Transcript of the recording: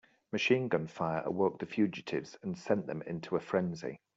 Machine gun fire awoke the fugitives and sent them into a frenzy.